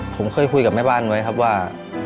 ผมเคยคุยกับแม่บ้านไว้ครับว่า